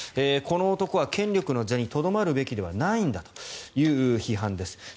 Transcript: この男は権力の座にとどまるべきではないんだという批判です。